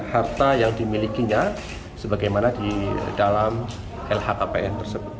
harta yang dimilikinya sebagaimana di dalam lhkpn tersebut